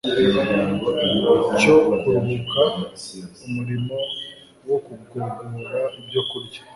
cyo kuruhuka umurimo wo kugogora ibyokurya